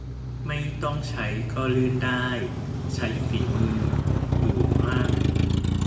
ไม่ต้องใช้ก็ลื่นได้ ใช้ฝีมือ หื่นมั่ง